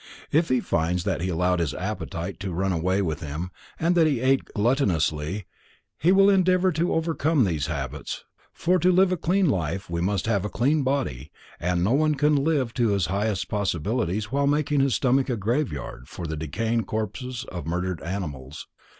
If he finds that he allowed his appetite to run away with him and that he ate gluttonously, he will endeavor to overcome these habits, for to live a clean life we must have a clean body and no one can live to his highest possibilities while making his stomach a graveyard for the decaying corpses of murdered animals.